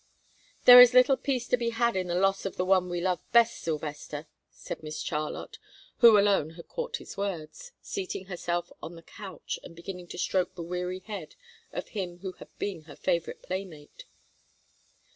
"There is little peace to be had in the loss of the one we love best, Sylvester," said Miss Charlotte, who alone had caught his words, seating herself on the couch and beginning to stroke the weary head of him who had been her favorite playmate.